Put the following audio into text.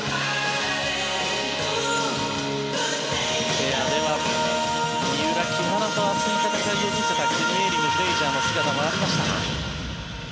ペアでは三浦・木原と熱い戦いを見せたクニエリム、フレイジャーの姿もありました。